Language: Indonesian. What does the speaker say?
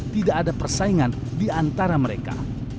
tidak ada persaingan di antara mereka